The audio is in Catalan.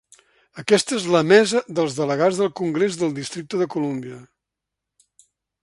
Aquesta és la mesa dels delegats del Congrés del districte de Columbia.